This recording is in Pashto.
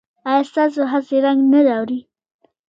ایا ستاسو هڅې رنګ نه راوړي؟